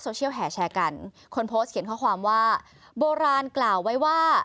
เชียลแห่แชร์กันคนโพสต์เขียนข้อความว่าโบราณกล่าวไว้ว่า